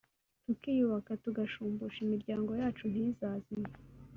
tukiyubaka tugashumbusha imiryango yacu ntizazime